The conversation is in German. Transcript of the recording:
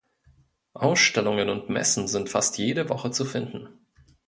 Ausstellungen und Messen sind fast jede Woche zu finden.